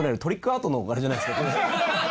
アートのあれじゃないですか？